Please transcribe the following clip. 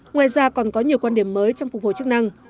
ngoài ra còn có nhiều quan điểm mới trong phục hồi chức năng